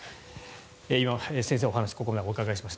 先生お話をここまでお伺いしました。